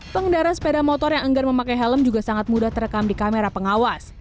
pengendara sepeda motor yang enggan memakai helm juga sangat mudah terekam di kamera pengawas